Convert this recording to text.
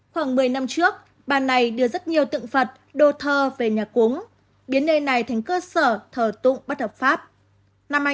khoảng một mươi năm trước bà này đưa rất nhiều tượng phật đồ thơ về nhà cúng biến nơi này thành cơ sở thờ tụng bất hợp pháp